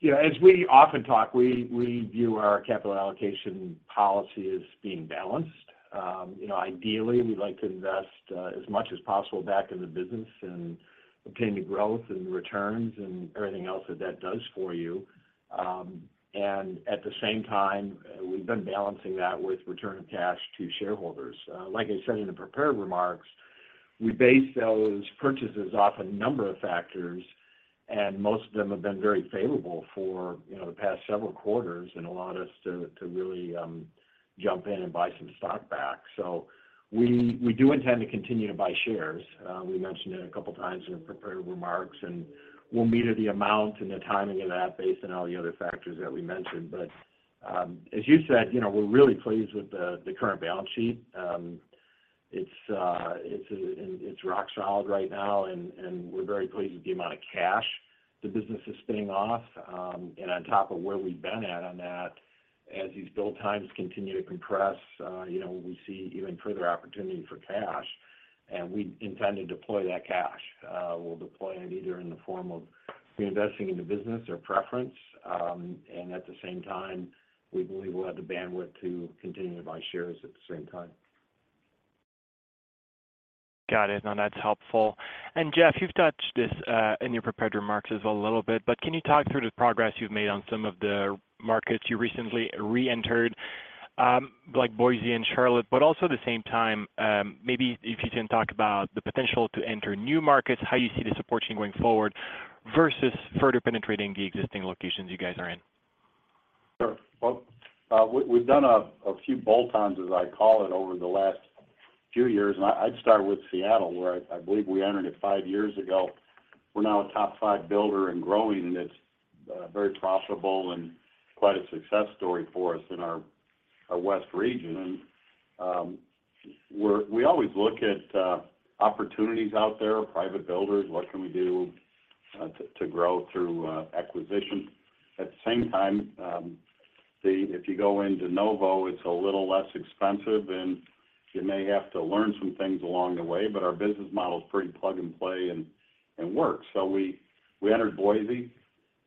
Yeah, as we often talk, we view our capital allocation policy as being balanced. Ideally, you know, we'd like to invest as much as possible back in the business and obtain the growth and the returns and everything else that that does for you. At the same time, we've been balancing that with return of cash to shareholders. Like I said in the prepared remarks, we base those purchases off a number of factors, and most of them have been very favorable for, you know, the past several quarters and allowed us to really jump in and buy some stock back. We do intend to continue to buy shares. We mentioned it a couple of times in the prepared remarks, and we'll meter the amount and the timing of that based on all the other factors that we mentioned. As you said, you know, we're really pleased with the current balance sheet. It's rock solid right now, and we're very pleased with the amount of cash the business is spinning off. On top of where we've been at on that, as these build times continue to compress, you know, we see even further opportunity for cash, and we intend to deploy that cash. We'll deploy it either in the form of reinvesting in the business or preference, and at the same time, we believe we'll have the bandwidth to continue to buy shares at the same time. Got it. No, that's helpful. Jeff, you've touched this, in your prepared remarks as well a little bit, but can you talk through the progress you've made on some of the markets you recently reentered, like Boise and Charlotte, but also at the same time, maybe if you can talk about the potential to enter new markets, how you see the support chain going forward versus further penetrating the existing locations you guys are in? Sure. Well, we've done a few bolt-ons, as I call it, over the last few years, and I'd start with Seattle, where I believe we entered it five years ago. We're now a top five builder and growing, and it's very profitable and quite a success story for us in our west region. We always look at opportunities out there, private builders, what can we do to grow through acquisition. At the same time, if you go in de novo, it's a little less expensive, and you may have to learn some things along the way, but our business model is pretty plug and play and works. We entered Boise.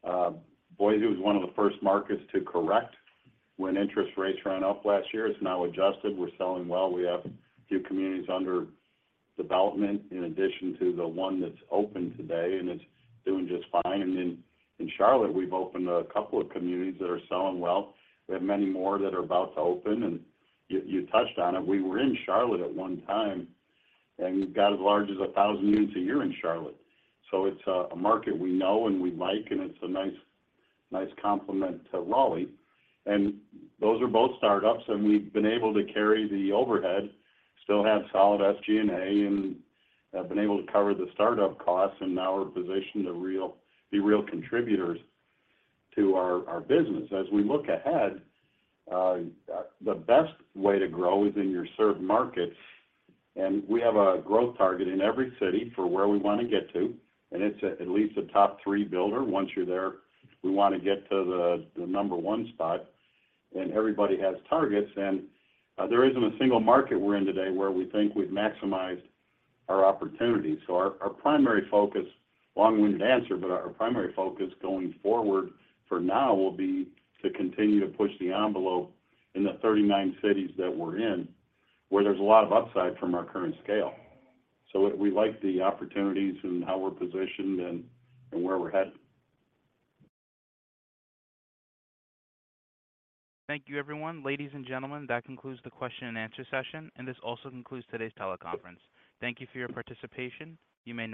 Boise was one of the first markets to correct when interest rates ran up last year. It's now adjusted. We're selling well. We have a few communities under development in addition to the one that's open today, and it's doing just fine. In Charlotte, we've opened a couple of communities that are selling well. We have many more that are about to open, and you touched on it. We were in Charlotte at one time, and we got as large as 1,000 units a year in Charlotte. It's a market we know and we like, and it's a nice complement to Raleigh. Those are both startups, and we've been able to carry the overhead, still have solid SG&A, been able to cover the startup costs, and now we're positioned to be real contributors to our business. As we look ahead, the best way to grow is in your served markets. We have a growth target in every city for where we want to get to, and it's at least a top three builder. Once you're there, we want to get to the number one spot. Everybody has targets. There isn't a single market we're in today where we think we've maximized our opportunity. Our primary focus, long-winded answer, but our primary focus going forward for now will be to continue to push the envelope in the 39 cities that we're in, where there's a lot of upside from our current scale. We like the opportunities and how we're positioned and where we're headed. Thank you, everyone. Ladies and gentlemen, that concludes the question-and-answer session, and this also concludes today's teleconference. Thank you for your participation. You may disconnect.